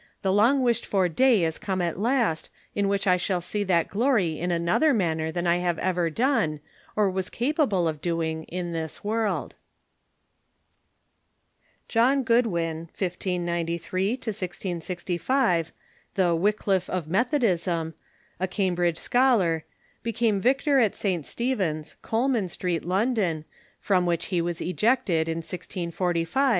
the long wished for day is come at last, in which I shall see that glory in another manner than I have ever done, or was capable of doing, in this Avorld." John Goodwin (1593 1665), the " Wycliffe of Methodism," a Cambridge scholar, became vicar of St. Stephen's, Coleman Street, London, from Avhich he was eiected, in 1645, John Goodwin „'